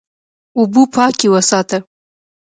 اوبه پاکې وساته.